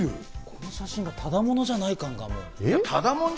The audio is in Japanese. この写真がただ者じゃない感がもう。